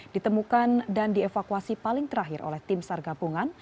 ditemukan dan dievakuasi paling terakhir oleh tim sargabungan